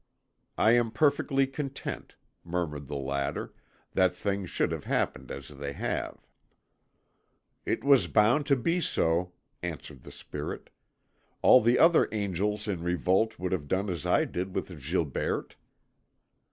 "I am perfectly content," murmured the latter, "that things should have happened as they have." "It was bound to be so," answered the Spirit. "All the other angels in revolt would have done as I did with Gilberte.